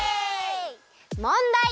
もんだい！